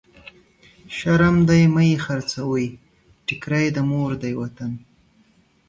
شرم دی مه يې خرڅوی، ټکری د مور دی وطن.